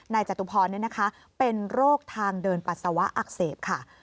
จตุพรเป็นโรคทางเดินปัสสาวะอักเสบค่ะ